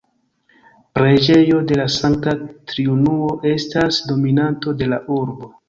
Preĝejo de la Sankta Triunuo estas dominanto de la urbo.